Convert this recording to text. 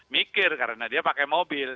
mikir karena dia pakai mobil